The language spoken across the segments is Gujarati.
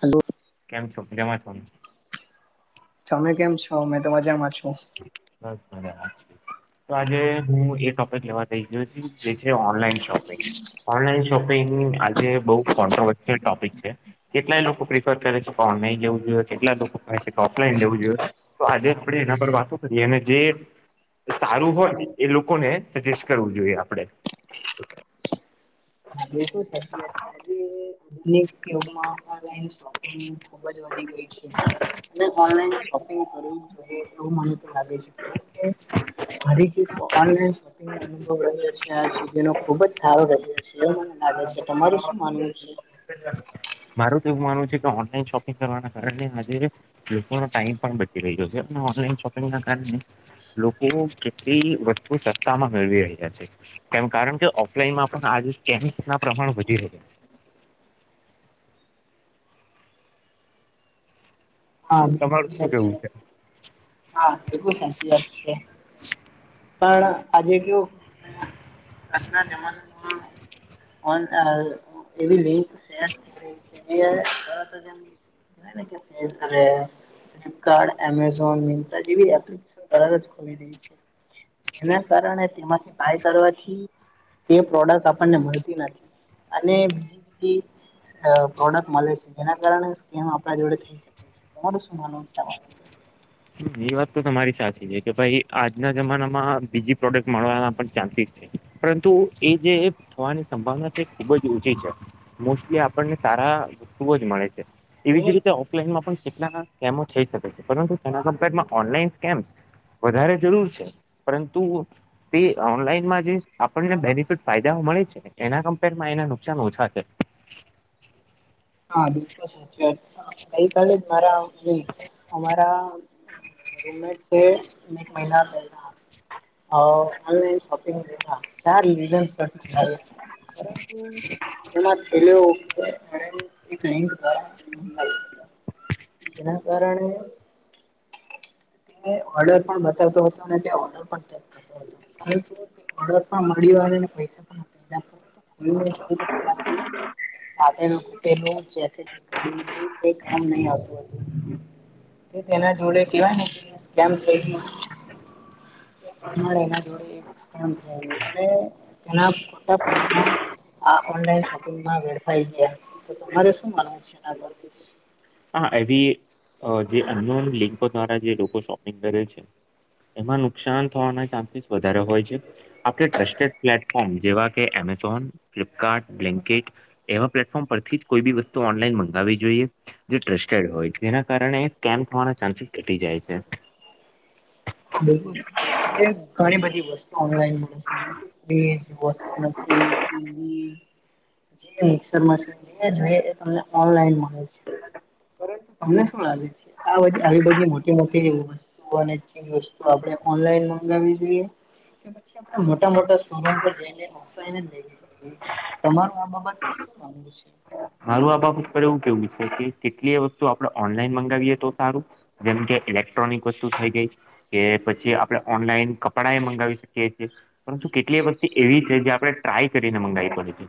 હલો કેમ છો મજામાં છો ને તમે કેમ છો મે તો મજામાં છું બસ મજા માં છે તો આજે હું એ ટોપિક લેવા તય ગ્યો છું જે છે ઓનલાઈન શોપિંગ ઓનલાઈન શોપિંગ આજે બઉ કો્રોવર્સલ ટોપિક છે કેટલાય લોકો પ્રિફર કરે છે કે ઓનલાઈન જવું જોઈએ કેટલાય લોકો કહે છે કે ઓફલાઈન લેવું જોઈએ તો આજે આપણે એના પર વાત કરી અને જે સારું હોય એ લોકોને સજેસ્ટ કરવું જોઈએ આપડે એ તો સાચી વાત છે જ આધુનિક યોગમાં ઓનલાઈન શોપિંગ ખુબ જ વધી ગય છે અને ઓનલાઈન શોપિંગ કરું એટલું મને તો લાગે છે કારણ કે ઘરે જે સો આને જે શોપિંગ અનુભવ રહ્યો છે આ સુધીનો ખુબ જ સારો રહ્યો છે એવું મને લાગે છે તમારું શું માનવું છે મારું તો એવું માનવું છે કે ઓનલાઈન શોપિંગ કરવાના કારણે આજે લોકોનો ટાઈમ પણ બચી રહ્યો છે ઓનલાઈન શોપિંગના કારણે લોકો કેટલી વસ્તુ સત્તા માં મેળવી રહ્યા છે કેમ કારણ કે ઓફલાઈનમાં પણ આજ સ્કેમ્સ ના પ્રમાણ વધી રહ્યાં છે હા છે બિલકુલ તમારું શું સાચી કેવું છે વાત હા એવુ સાચી વાત છે પણ આજે કેવું આજના જમાના માં [unintelligible] એવી લિંક શેરસ થઈ રહી છે કે [unintelligible] ફ્લિપકાર્ટ એમેઝોન મીન [unintelligible] કલર જ ખોલી દે છે જેના કારણે તેમાંથી બાય કરવાથી તે પ્રોડક્ટ આપણને મળતી નથી અને બીજી અ પ્રોડક્ટ મળે છે જેના કારણે સ્કેમ આપણા જોડે થઈ શ તમારું શું મનવું સે એ વાત તો તમારી સાચી છે કે ભાઈ આજના જમાનામાં બીજી પ્રોડક્ટ મળવાના પણ ચાન્સીસ છે પરંતુ એ જે થવાની સંભાવના છે એ ખુબ જ ઓછી છે મોસ્ટલી આપણને સારા વસ્તુઓ જ મળે છે એવી જ રી ઑફલાઇન માં પણ કેટલાકા કામો થઈ શકે છે [unintelligible] ઑનલાઇન સ્કેનસ વધારે જરૂર છે પરંતુ તે ઓનલાઈનમાં જે આપણને બેનિફિટ ફાયદાઓ મળે છે એના કમ્પેરમાં એના નુકસાન ઓછા છે હા બિલકુલ સાચી વાત અ ગઈકાલે જ મારા નય અમારા [unintelligible] [unintelligible] પરંતુ એમાં એલુ [unintelligible] એ કઈ [inaudible] જેના કારણે તેને ઓર્ડર પણ બતાવતો હતો અને ત્યાં ઓર્ડર પણ ચક કરતો ઓર્ડર પણ મળીને પૈસા પણ [unintelligible] ફાટેલું જેકેટ નીકળ્યું છે કામ નહી આવતું તેના જોડે કેવાયને સ્કેમ થઈ ગયું [unintelligible] એના જોડે એક સ્કેમ થયું અને તેના ખોટા પૈસા ઓનલાઈન શોપિંગમાં વેડફાઈ ગયા તો તમારે શું માનવું છે આ તો હા એવી જે અનનોન લિકો દ્વારા જે લોકો શોપિંગ કરે છે એમાં નુકસાન થવાના ચાન્સીસ વધારે હોય છે આપણે ટ્રસ્ટેડ પ્લેટફોર્મ જેવા કે એમેઝોન ફ્લિપકાર્ટ બ્લિંકિટ એવા પ્લેટફોર્મ પરથી જ કોઈ બી વસ્તુ ઓનલાઈન મંગાવવી જોઈએ જે ટ્રસ્ટેડ હોય તેના કારણે સ્કેમ થવાના ચાન્સીસ ઘટી જાય છે હા બિલકુલ [unintelligible] ઘણી બધી વસ્તુ ઓનલાઈન મંગાવી શકી ફ્રીજ, વોશિંગમસીન, ટવી જે મિકસર મસીન જે જોઈ એ તમને ઓનલાઈન મળે છે અમને શું લાગે છે આધી આવી બધી મોટી મોટી વસ્તુઓ અને વસ્તુ આપણે ઓનલાઈન મગાવવી જોઈએ પછી આપ મોટા મોટા શોરૂમ પર જઈને ઓફલાઈન તમા આ બાબત પર શું વાંધુ છે મારું આ બાબત પર એવું કેવું છે કે કેટલી વસ્તુ આપડણે ઓનલાઈન મંગાવીએ તો સારું જેમ કે ઇલેક્ટ્રોનિક વસ્તુ થઇ ગઈ કે પછી આપણે ઓનલાઈન કપડા એ મંગાવી શકીએ છીએ પરંતુ કેટલીય વસ્તી એવી છે જે આપણે ટ્રાય કરીને મંગાવી પડે છે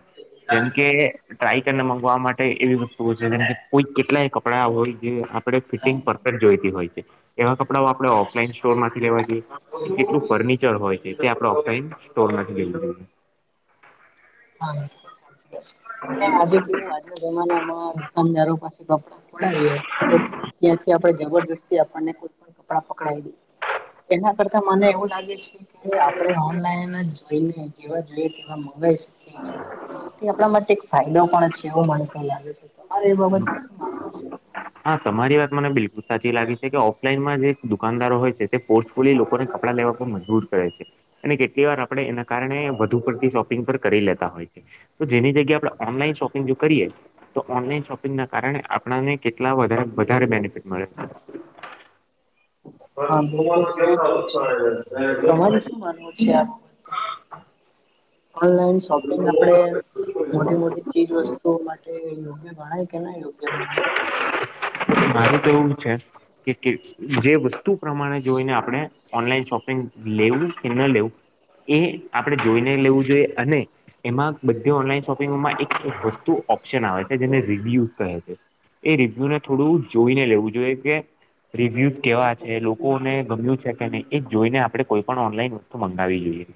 જેમકે ટ્રાય કરીને મગવા માટે એવી વસ્તુય છે જેમ કોઈ કેટલાય કપડા હોય જે આપણે ફિટિંગ પરફેક્ટ જોઈતી હોય છે એવા કપડાઓ આપણે ઓફલાઈન સ્ટોર માંથી લેવા જોઈએ કેટલું ફર્નિચર હોય છે તે આપણે ઓફલાઈન સ્ટોર માંથી લે જોઈએ હા સાચ આજે કેું આજના જમાનામાં દુકાનદારો પાસે કપડા ફોડાવીએ તો ત્યાંથી આપણે જબરજસ્તી આપણને કપડા પકડાઈદે એના કરતા મને એવું લાગે છે કે આપણે ઓનલાઈન જેવા જોઈએ તેવા મંગાવી શકી તે આપણા માટે એક ફાયદ પણ છે એવું મનેતા લાગે છે તમારે એ બાબત પર શું માનવું છે? [unintelligible] હા તમારી વાત મને બિલકુલ સાચી લાગે છે કે ઓફલાઈનમાં જે દુકાનદારો હોય છે તે પોર્ લી લોકોને કપડાં લેવા પણ મજબૂર કરે છે અને કેટલી વાર આપડણે એના કારણે વધુ પડતી શોપિંગ પર કરી લેતા હોય છે તો જેની જગ્યાએ આપણે ઓનલાઈન શોપિંગ જો કરીએ તો ઓનલાઈન શોપિંગ ના કારણે આપણને કેટલા વધારે બેનિફિટ મળે હા બિલકુલ સાચી વાત છે તમારે શું માનવું છે આ ઓનલાઈન શોપિંગ આપડે છે મોટી મોટી ચીજ વસ્તુઓ માટે યોગ્ય ગણાય કે ના યોગ્ય ગણાય મારું તો એવું છે કે જે વસ્તુ પ્રમાણે જોઈને આપણે ઓનલાઈન શોપિંગ લેવું કે ન લેવું એ આપણે જોઈને લેવું જોઈએ અને એમાં બધી ઓનલાઈન શોપિંગમાં એક વસ્તુ ઓપ્શન આવે છે જેને રિવ્યુ ક છે એ રિવ્યુ ને થોડું જોઈને લેવું જોઈએ કે રિવ્યુ કેવા છે લોકોને ગમ્યું છે કે નહી એ જોઈને આપડણે કોઈ પણ ઓનલાઈન વસ્તુ મંગાવવી જોઈએ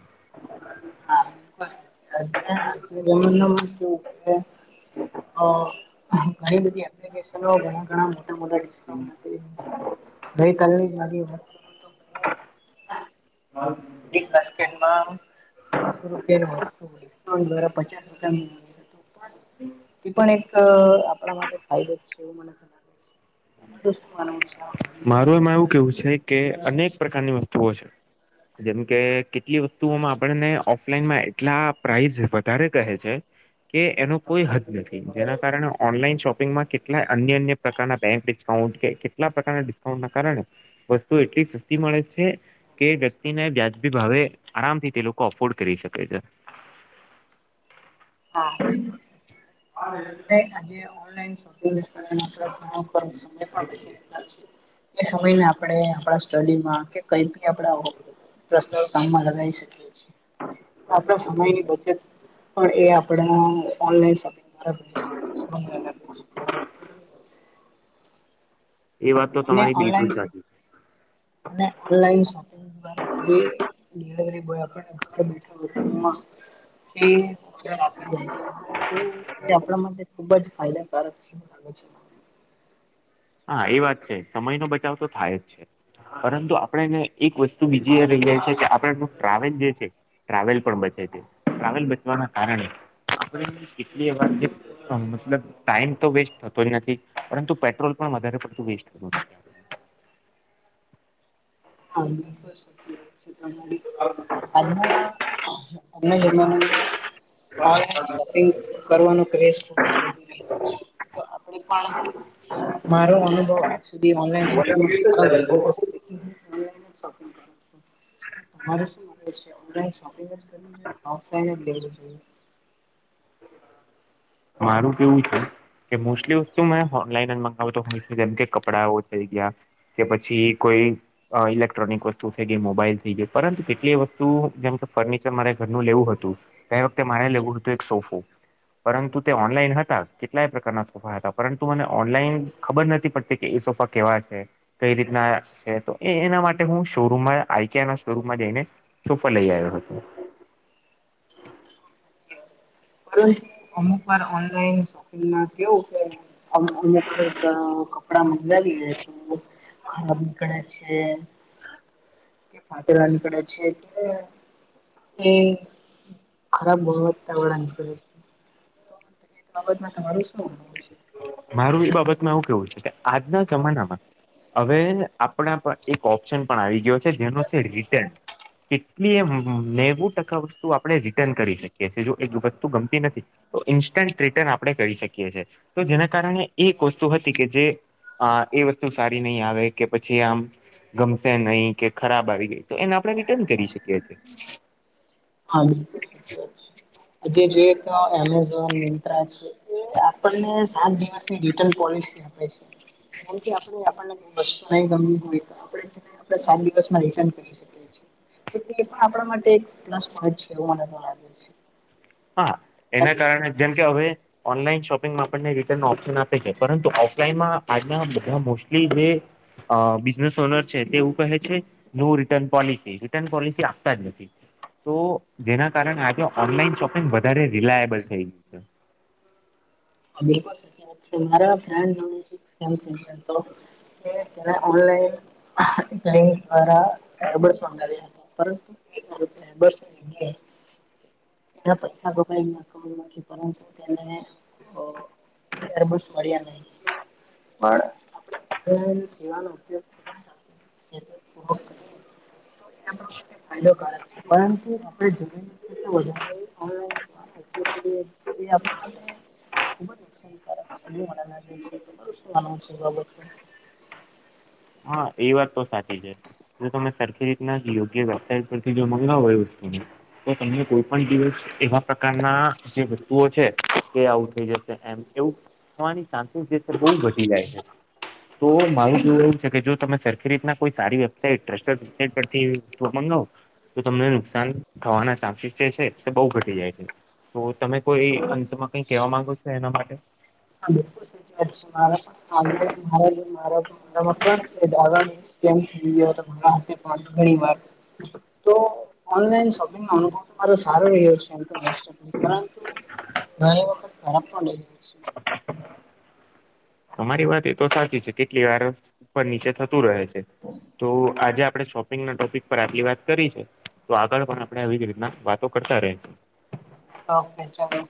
જમન ન મત કેવું કે અ ઘણી બધી એપ્લિકેશનો ઘણા ઘણા [unintelligible] ગય કાલે નાની ઉંમરે બિગ બાસ્કેટ માં બસો રૂપિયા વસ્તુઉ દ્વારા પચાસ રૂપિયા પણ એક આપણા માટે ફાયદો છે એવ મને લાગે છેું તમારું શું માનવું છે પર? મારુ માણ એવું કેવું છે કે અનેક પ્રકારની વસ્તુઓ છે જેમકે કેટલી વસ્તુઓમાં આપણને ઓફલાઈનમાં એટલા પ્રાઇઝ વધારે કહે છે કે એનો કોઈ હદ નથી જેના કારણે ઓનલાઈન શોપિંગમાં કેટલાય અન્ય અન્ય પ્રકારના બેંક ડિસ્કાઉન્ટ કેટલા પ્રકારના ડિસ્કાઉન્ટ ના કારણે વસ્તુ એટલી સસ્તી મળે છે કે વ્યક્તિને વ્યાજબી ભાવે આરામથી તે લોકો અફોર્ડ કરી શકે છે [inaudible] હા બિલકુલ આજે ઓનલાઈન છે આપ ઘણા સમય પણી છે એ સમયને આપણે આપણા સ્ટડીમાં કે કઈ આપડા પર્સ કામ મા લગાવી સક્યે છે આપણા સમયની બચત પણ એ પણ આ ઓનલાઇન [inaudible] એ વાત તો અને તમારી બિલકુલ ઓનલાઈન સાચી અને ઓનલાઈન શોપિંગ દ્વારા આજે ડિલવરી બોય આપ ઘર બેઠ માં એ ઓડર આપી જાય છે તો એ આપણા માટે ખુબ જ ફાયદા કારક છે હા એ વાત છે સમય નો બચાવ તો થાય જ છે પરંતુ આપણેને એક વસ્તુ બીજી એ કહે છે કે આપણે ટ્રાવેલ જે છે ટ્રાવેલ પણ બચે છે ટ્રાવેલ બચવાના કારણે કેટલી વાર મતલબ ટાઈમ તો વેસ્ટ થતો જ નથી પરંતુ પેટ્રોલ પણ વધારે પડતું વેસ્ટ થતું હા સાચી વાત છે તમારી [inaudible] જમાણુ ઓનલાઇન શોપિંગ કરવાનો ક્રેઝ [inaudible] આપણે પણ મારો અનુભવ આજ સુધી ઓનલાઈન શોપીંગ નો સારો રહ્યો ઓનલાઈન જ શોપિંગ કરો છું તમારે શું કેવું છે ઓનલાઇન શોપિંગ જ કરવું જોઈએ કે ઑફ્લાઈન જ લેવું જોઈએ મારું કેવું છે કે મોસ્ટલી વસ્તુ મેં ઓનલાઈન મંગાવું તો હમેશ કેમ કે કપડાઓ થઈ ગયા કે પછી કોઈ અ ઇલેક્ટ્રોનિક વસ્તુ થઈ ગઈ મોબાઈલ થઈ ગઈ પરંતુ કેટલી વસ્તુ જેમ કે ફર્નિચર મારે ઘરનું લેવું હતું તે વખતે મારે લેવું હતું એક સોફો પરંતુ તે ઓનલાઈન હતા કેટલાય પ્રકારના સોફા હતા પરંતુ મને ઓનલાઈન ખબર નથી પડતી કે એ સોફા કેવા છે કઈ રીતના છે તો એ એના માટે હું શોરૂમમાં આઈકા ના શોરૂમમાં જઈને સોફા લઈ આવ્યો હતો પરંતુ અમુક વાર ઓનલાઈન શોપિંગ મા કેવું અમ અમારાં કપડાં મગાવીએ તો ખરાબ નીકળે છે કે ફાટેલા નીકડા છે એટલે એ ખરાબ ગુણવતા વાળા નીકળે છે. આ બાબત માં તમારું શું માનવું છે. મારું એ બાબતમાં એવું કેવું છે કે આજના જમાનામાં. હવે આપણા એક ઓપ્શન પણ આવી ગયો છે જેનો છે રિટેન. કેટલી એ નેવું ટકા વસ્તુ આપણે રિટર્ન કરી શકી જો એક વસ્તુ ગમતી નથી. તો ઇન્સ્ટન્ટ રિટર્ન આપણે કરી શકીએ છીએ. તો જેના કારણે એક વસ્તુ હતી કે જે, અ એ વસ્તુ સારી નહી આવે કે પછી આમ ગમશે નહી કે ખરાબ આવી ગઈ તો એને આપણે રિટર્ન કરી શકીએ છીએ. હા બિલકુલ સાચી વાત છે આજે જોઈએ તો એમેઝોન મિત્રા છે એ આપણને સાત દિવસની રિટર્ન પોલિસી આપે છે. કારણ કે આપણને કોઈ વસ્તુ ગમી હોય તો આપડે તે આપણે સાત દિવસમાં રિટર્ન કરી શકીએ છીએ, તો તે પણ આપણા માટે એક પ્લસ પોન્ટ છે એવું માનવામાં આવે છે. હા અને એના કારણે જેમ કે હવે ઓનલાઈન શોપિંગમાં આપણને રીટર્ન ઓપ્શન આપે છે પરંતુ ઓફલાઈનમાં આજના બધા મોસ્ટલી જે અ બિઝનેસ ઓનર છે તેવ એવું કહે છે નું રિટર્ન પોલિસી. રિટર્ન પોલિસી આપતા જ નથી. તો જેના કારણે આજે ઓનલાઈન શોપિંગ વધારે રિલાયબલ થઈ. છે [unintelligible] તે ઓનલાઈન દ્વારા. [unintelligible] પરંતુ [inaudible] બસ [unintelligible] એના પૈસા કપાય એના એકાઉન્ટમાંથી. પરંતુ તેને અ એમ જ મળ્યા નહી. પણ આપ સેવાનો ઉપયોગ ખુબ સાર [inaudible] તો એના માટે ફાયદોકારક છે પરંતુ આપણે જરૂરી વધારે [inaudible] ઉપયોગ કરીએ છીએ. એ આપણા માટે ખુબ જ નુકસાનકારક છે [unintelligible] તમારું શું માનવું છે એ બાબતે? હા, એ વાત તો સાચી છે. જો તમે સરખી રીતના યોગ્ય વેબસાઇટ પરથી જો મંગાવો એ વસ્તુને તો તમને કોઈ પણ દિવસ એવા પ્રકારના જે વસ્તુઓ છે તે આવું થઈ જશે એમ કેવું થવાની ચાન્સીસ જે છે બહ ઘટી જાય છે તો મારું કહેવું એવું જો તમે સરખી રીતના કોઈ સારી વેબસાઈટ ટ્રસ્ટેડ વેબસાઇટ પરથી એ વસ્તુ મંગાવો તો તમને નુકસાન થવાના ચાન્સીસ જે છે એ બહુ ઘટી જાય છે. તો તમે કોઈ અશમાં કઈ કહેવા માંગો છો એના માટે? હા બિલકુલ સાચી વાત છે મારા મારા મારા મારા પણ [unintelligible] [unintelligible] ઘણી વાર [inaudible] તો ઓનલાઇન શોપિંગનો અનુભવ માંરો સારો રહ્યો છે એમ મોસ્ટોફ તો. પરંતુ ઘણી વખત ખરાબ પણ [unintelligible] [unintelligible] તમારી વાત એ તો સાચી છે કેટલીવાર ઉપર નીચે થતું રહે છે. તો આજે આપણે શોપ ગના ટોપિક પર આપટલી વાત કરી છે તો આગળ પણ આપણે આવી જ રીતના વાતો કરતા રહેશુ. ઓકે ચાલો.